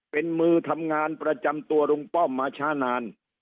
เป็นมือทำงานประจำตัวลุงป้อมมาช้านาน